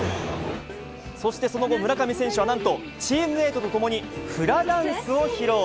そしてその後、村上選手はなんとチームメートと共にフラダンスを披露。